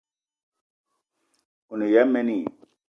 O ne ya mene i?